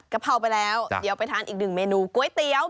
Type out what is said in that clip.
เพราไปแล้วเดี๋ยวไปทานอีกหนึ่งเมนูก๋วยเตี๋ยว